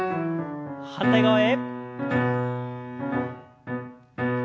反対側へ。